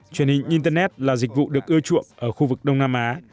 truyền hình internet là dịch vụ được ưa chuộng ở khu vực đông nam á